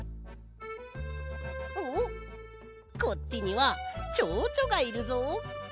おっこっちにはチョウチョがいるぞ！